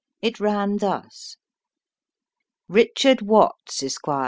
It ran thus: RICHARD WATTS, Esqr.